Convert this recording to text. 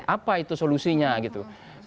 apa itu solusinya gitu